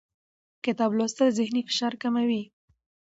کتاب لوستل ذهني فشار کموي